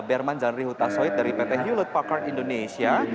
berman janri huta soit dari pt hewlett packard indonesia